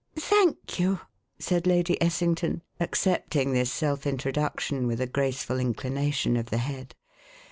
"Thank you," said Lady Essington, accepting this self introduction with a graceful inclination of the head.